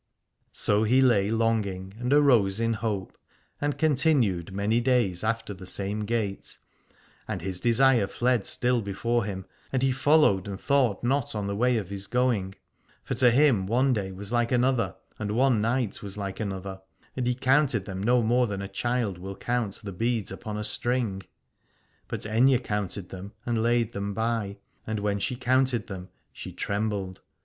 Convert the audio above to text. So he lay longing, and arose in hope, and continued many days after the same gait. And his desire fled still before him, and he followed and thought not on the way of his going: for to him one day was like another, and one night was like another, and he counted them no more than a child will count the beads upon a string. But Aithne counted them and laid them by, and when she counted them she trembled.